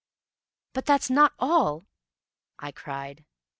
"But that's not all?" I cried.